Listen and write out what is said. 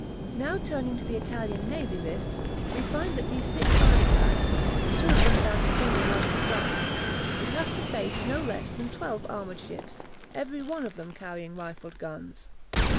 Now turning to the Italian Navy List, we find that these six ironclads, two of them without a single rifled gun, would have to face no less than twelve armoured ships, every one of them carrying rifled guns.